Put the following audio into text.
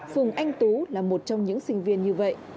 phùng anh tú là một trong những sinh viên như vậy